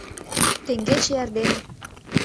— Теҥгече эрдене.